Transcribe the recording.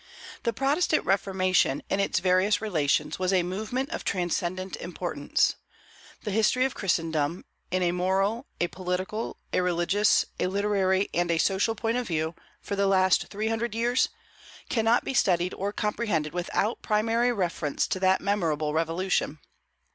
The Protestant Reformation, in its various relations, was a movement of transcendent importance. The history of Christendom, in a moral, a political, a religious, a literary, and a social point of view, for the last three hundred years, cannot be studied or comprehended without primary reference to that memorable revolution.